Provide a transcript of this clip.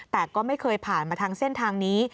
แต่ก็ไม่เคยผ่านมาทางเส้นทางนี้